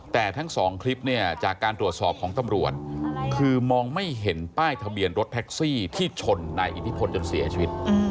แต่ทั้งสองคลิปเนี่ยจากการตรวจสอบของตำรวจคือมองไม่เห็นป้ายทะเบียนรถแท็กซี่ที่ชนนายอิทธิพลจนเสียชีวิต